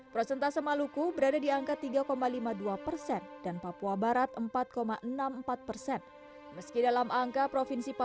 prosentase maluku berada di angka tiga lima puluh dua persen